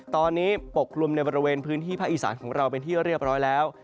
ตอนนี้ปกคลุมในบริเวณพื้นที่ภาคอีสานของเราเป็นที่เรียบร้อยแล้ว